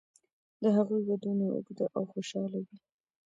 د هغوی ودونه اوږده او خوشاله وي.